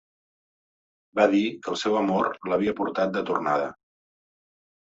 Va dir que el seu amor, l'havia portat de tornada.